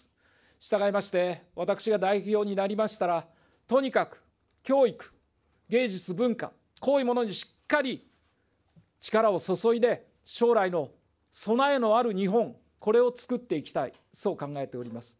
したがいまして、私が代表になりましたら、とにかく教育、芸術、文化、こういうものにしっかり力を注いで、将来の備えのある日本、これをつくっていきたい、そう考えております。